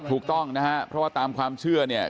ถูกต้องนะฮะเพราะว่าตามความเชื่อเนี่ย